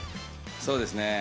そうですね。